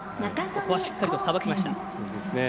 しっかりとさばきました。